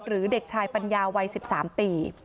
เด็กชายปัญญาวัย๑๓ปี